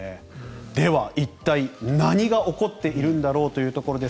では一体何が起こっているんだろうというところです。